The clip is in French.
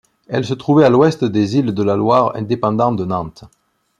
Elle se trouvait à l'ouest des îles de la Loire dépendant de Nantes.